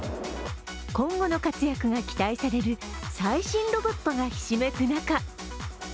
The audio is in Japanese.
今後の活躍が期待される最新ロボットがひしめく中